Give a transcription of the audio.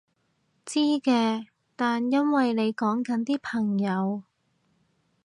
知嘅，但因為你講緊啲朋友